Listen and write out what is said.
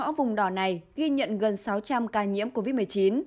các ngõ vùng đỏ này ghi nhận gần sáu trăm linh ca nhiễm covid một mươi chín